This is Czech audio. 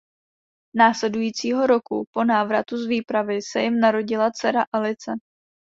Následujícího roku po návratu z výpravy se jim narodila dcera Alice.